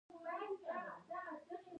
کاناډا د مالیې اداره لري.